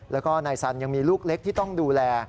แล้วก็นายสันยังมีลูกเล็กที่ต้องดูแล